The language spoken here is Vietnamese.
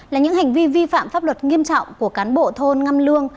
là những hành vi vi phạm pháp luật nghiêm trọng của cán bộ thôn ngâm lương